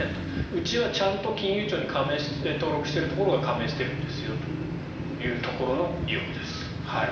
うちはちゃんと金融庁に登録しているところが加盟しているんですよというところです。